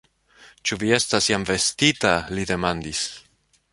Ĉu vi estas jam vestita? li demandis.